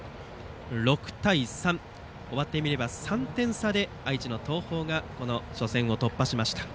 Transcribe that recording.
６対３終わってみれば３点差で愛知の東邦が初戦を突破しました。